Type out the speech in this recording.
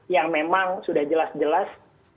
yang memang sudah jelas jelas